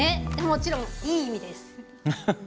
もちろん、いい意味です。